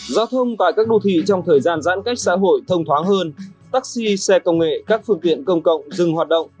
giao thông tại các đô thị trong thời gian giãn cách xã hội thông thoáng hơn taxi xe công nghệ các phương tiện công cộng dừng hoạt động